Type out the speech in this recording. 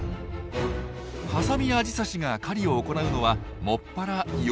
ハサミアジサシが狩りを行うのは専ら夜。